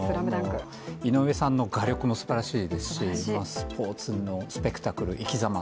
井上さんの画力もすばらしいですし、スポーツのスペクタクル、生きざま。